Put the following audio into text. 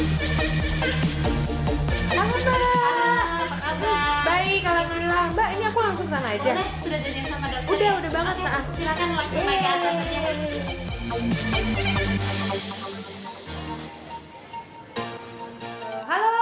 sudah jadikan sama dokter